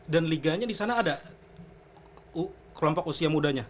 dan liganya di sana ada kelompok usia mudanya